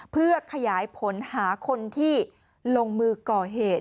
เพื่อขยายผลหาคนที่ลงมือก่อเหตุ